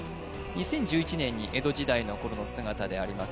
２０１１年に江戸時代の頃の姿であります